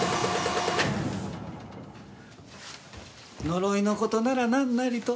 呪いの事ならなんなりと。